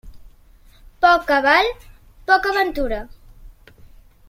Poc cabal, poca ventura.